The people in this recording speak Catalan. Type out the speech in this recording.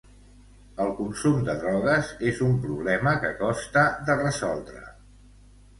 El consum de drogues és un problema que costa de resoldre.